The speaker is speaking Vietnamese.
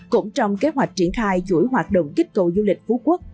cũng trong kế hoạch triển khai chuỗi hoạt động kích cầu du lịch phú quốc